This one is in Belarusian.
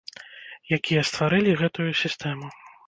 Якія стварылі гэтую сістэму.